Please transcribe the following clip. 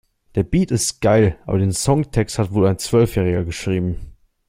Der Beat ist geil, aber den Songtext hat wohl ein Zwölfjähriger geschrieben.